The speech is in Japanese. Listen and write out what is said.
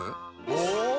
お！